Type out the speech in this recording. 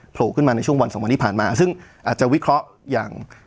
โผล่ขึ้นมาในช่วงวันสองวันที่ผ่านมาซึ่งอาจจะวิเคราะห์อย่าง